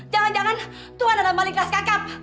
jangan jangan tuhan ada maling kelas kakap